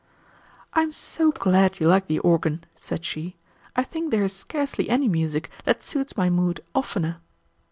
"I am so glad you like the organ," said she. "I think there is scarcely any music that suits my mood oftener."